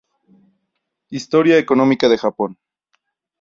Historia económica de Japón